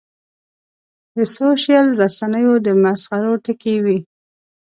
د سوشل رسنیو د مسخرو ټکی وي.